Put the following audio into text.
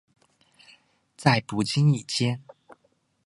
在不经意间